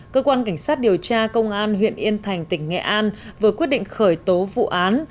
cơ quan cảnh sát điều tra công an huyện yên thành tỉnh nghệ an vừa quyết định khởi tố vụ án